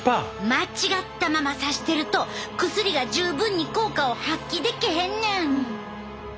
間違ったままさしてると薬が十分に効果を発揮できへんねん！